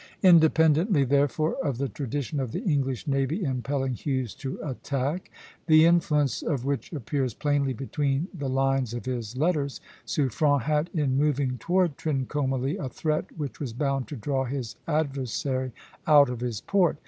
Independently, therefore, of the tradition of the English navy impelling Hughes to attack, the influence of which appears plainly between the lines of his letters, Suffren had, in moving toward Trincomalee, a threat which was bound to draw his adversary out of his port.